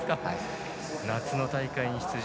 夏の大会に出場。